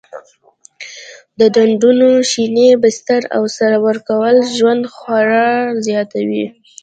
د ډنډونو شینې بسترې او سره ورکول ژوندي خواړه زیاتوي.